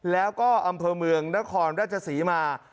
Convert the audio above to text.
แล้วก็อำเภอเมืองนครราชศรีมา